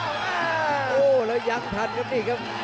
โอ้โหแล้วยังทันครับนี่ครับ